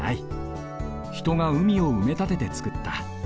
ひとがうみを埋め立ててつくった。